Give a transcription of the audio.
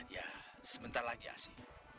ya sebentar lagi asy